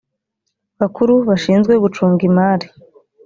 bakuru bashinzwe gucunga imari